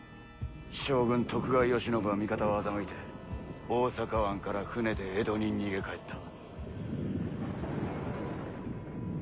将軍徳川慶喜は味方を欺いて大阪湾から船で江戸に逃げ帰った。